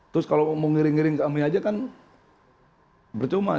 terus kalau ngomong ngiring ngiring kami aja kan bercuma